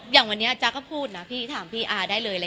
อย่างวันนี้จ๊ะก็พูดนะพี่ถามพี่อาได้เลย